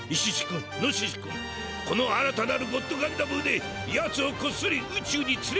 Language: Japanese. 君ノシシ君この新たなるゴッドガンダブーでやつをこっそり宇宙につれ帰してくれ。